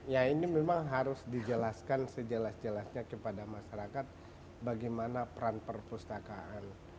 ya ini memang harus dijelaskan sejelas jelasnya kepada masyarakat bagaimana peran perpustakaan